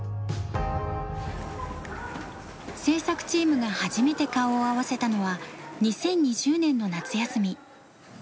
制作チームが初めて顔を合わせたのは２０２０年の夏休み。